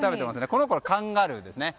この子はカンガルーですね。